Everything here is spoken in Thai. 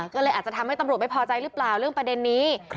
ก็เลยอาจจะทำให้ตำรวจไม่พอใจหรือเปล่าเรื่องประเด็นนี้